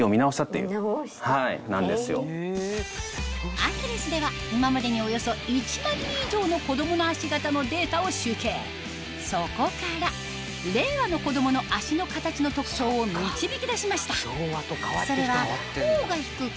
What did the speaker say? アキレスでは今までにおよそ１万人以上の子供の足型のデータを集計そこから令和の子供の足の形の特徴を導き出しました